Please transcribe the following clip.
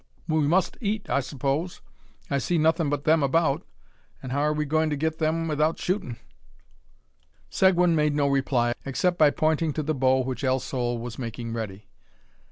"We must eat, I s'pose. I see nothin' but them about; an' how are we goin' to get them 'ithout shootin'?" Seguin made no reply, except by pointing to the bow which El Sol was making ready.